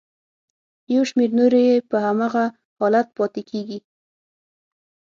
یو شمېر نورې یې په هماغه حالت کې پاتې کیږي.